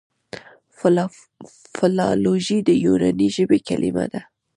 فلالوژي د یوناني ژبي کليمه ده.